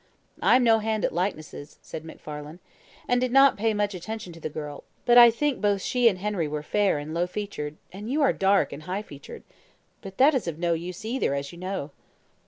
"I am no hand at likenesses," said MacFarlane, "and did not pay much attention to the girl; but I think both she and Henry were fair and low featured, and you are dark and high featured. But that is of no use either, as you know."